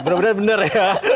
benar benar benar ya